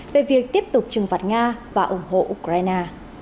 về việc tiếp tục trừng phạt nga và ủng hộ ukraine